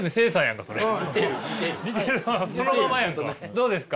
どうですか？